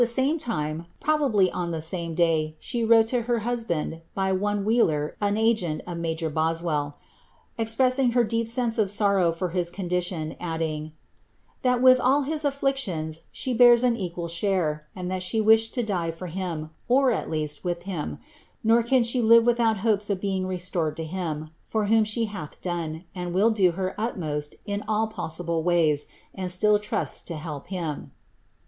Ill e lime time, probably on the same day, she wrote to her J one Wheeler, an agent of major Boswell,)' exproseing her if aonrow for his condition, adding, ^ that with ail his afflic eirs an equal share, and that she wished to die for him, or, h him, nor can she live without hopes of being restored to om she hath done, and will do her utmost in all possiUe still trusts to help him.''